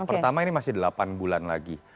pertama ini masih delapan bulan lagi